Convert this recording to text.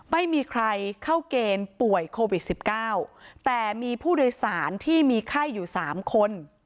ไม่มีใครเข้าเกณฑ์ป่วยโควิด๑๙แต่มีผู้โดยสารที่มีไข้อยู่๓คน